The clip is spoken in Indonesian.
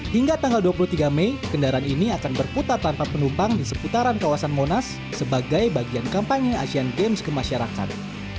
hingga tanggal dua puluh tiga mei kendaraan ini akan berputar tanpa penumpang di seputaran kawasan monas sebagai bagian kampanye asian games ke masyarakat